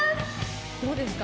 どうですか？